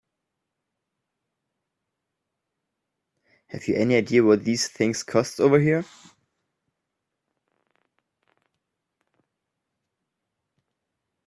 Have you any idea what these things cost over here?